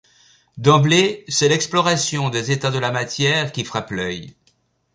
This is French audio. D’emblée, c’est l’exploration des états de la matière qui frappe l’œil.